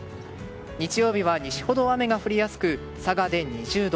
日曜日は西ほど雨が降りやすく佐賀で２０度。